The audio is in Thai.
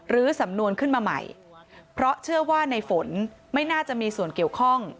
สำนวนขึ้นมาใหม่เพราะเชื่อว่าในฝนไม่น่าจะมีส่วนเกี่ยวข้อง